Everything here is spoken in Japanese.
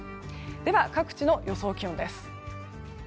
では、各地の予想気温です。